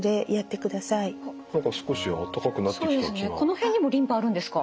この辺にもリンパあるんですか？